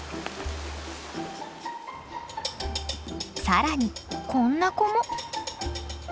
更にこんな子も。